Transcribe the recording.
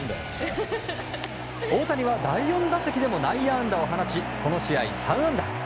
大谷は第４打席でも内野安打を放ちこの試合３安打。